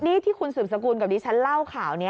นี่ที่คุณสืบสกุลกับดิฉันเล่าข่าวนี้